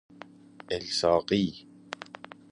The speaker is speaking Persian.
الصاقی